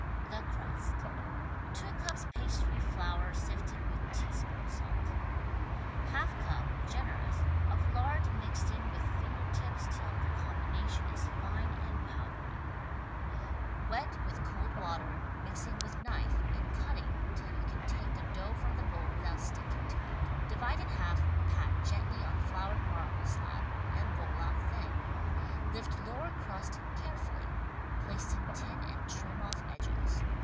The Crust 2 cups pastry flour sifted with teaspoon salt. y2 cup (generous) of lard mixed in with fingertips till the combination is fine and powdery. [hi] THE STAG COOK BOOK Wet with cold water, mixing with knife, and cutting, till you can take the dough from the bowl without sticking to it. Divide in half, pat gently on floured marble slab, and roll out thin. Lift lower crust carefully, place in tin and trim off edges.